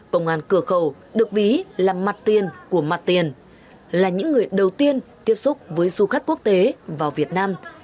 công an cửa khẩu được ví là mặt tiền của mặt tiền là những người đầu tiên tiếp xúc với du khách quốc tế vào việt nam